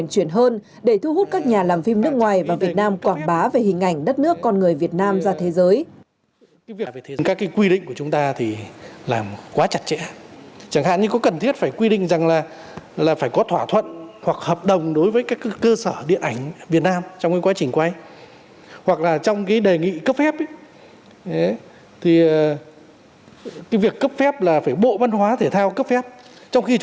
đơn để thu hút các nhà làm phim nước ngoài và việt nam quảng bá về hình ảnh đất nước con người việt nam ra thế giới